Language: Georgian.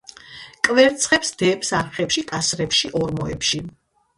კვერცხებს დებს არხებში, კასრებში, ორმოებში.